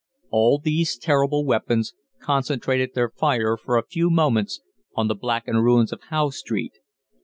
All these terrible weapons concentrated their fire for a few moments on the blackened ruins of Howe Street.